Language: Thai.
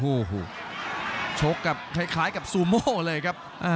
โอ้โหชกกับคล้ายกับซูโม่เลยครับ